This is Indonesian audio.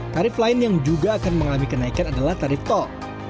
tarif lain yang juga akan mengalami kenaikan adalah tarif tol